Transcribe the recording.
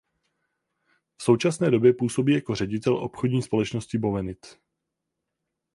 V současné době působí jako ředitel obchodní společnosti Bowenite.